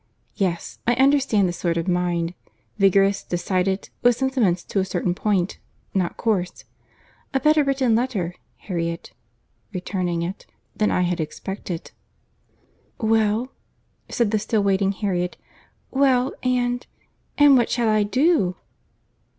Yes, I understand the sort of mind. Vigorous, decided, with sentiments to a certain point, not coarse. A better written letter, Harriet (returning it,) than I had expected." "Well," said the still waiting Harriet;—"well—and—and what shall I do?"